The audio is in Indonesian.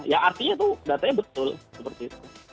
ya artinya itu datanya betul seperti itu